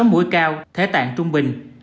sáu mũi cao thế tạng trung bình